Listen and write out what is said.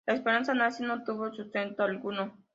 La esperanza nazi no tuvo sustento alguno.